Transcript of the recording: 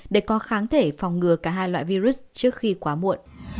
để có kháng thể phòng ngừa cả hai loại virus trước khi quá muộn